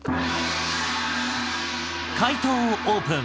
解答をオープン。